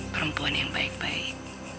perempuan yang baik baik